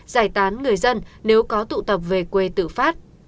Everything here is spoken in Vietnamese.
giải tán người dân nếu có tụ tập về quê tự phát